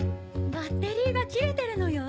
バッテリーが切れてるのよ。